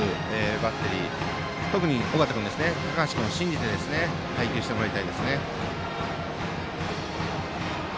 バッテリー特に尾形君は、高橋君を信じて配球してもらいたいですね。